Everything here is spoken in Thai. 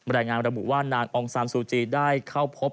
แรงงานระบุว่านางองศาลสูจิได้เข้าพบ